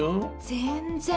全然。